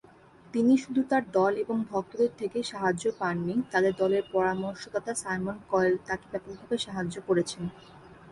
তিনি শুধু তার দল এবং ভক্তদের থেকেই সাহায্য পাননি, তাদের দলের পরামর্শদাতা সাইমন কয়েল তাকে ব্যাপকভাবে সাহায্য করেছেন।